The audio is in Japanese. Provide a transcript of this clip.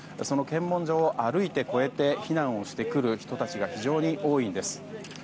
その検問所を歩いて越えて避難をしてくる人が非常に多いんです。